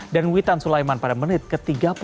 dan witan sulaiman pada menit ke tiga puluh lima